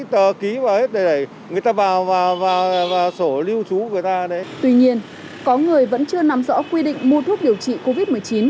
tuy nhiên có người vẫn chưa nắm rõ quy định mua thuốc điều trị covid một mươi chín